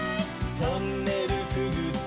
「トンネルくぐって」